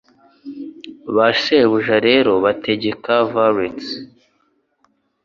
Ba shebuja rero bategeka valets